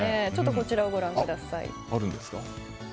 こちらをご覧ください。